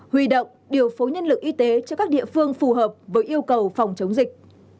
huy động điều phối nhân lực y tế cho các địa phương phù hợp với yêu cầu phòng chống dịch